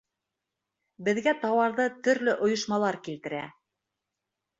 Беҙгә тауарҙы төрлө ойошмалар килтерә.